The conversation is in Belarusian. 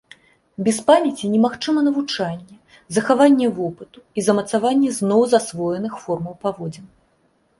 Без памяці немагчыма навучанне, захаванне вопыту і замацаванне зноў засвоеных формаў паводзін.